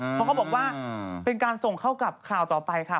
เพราะเขาบอกว่าเป็นการส่งเข้ากับข่าวต่อไปค่ะ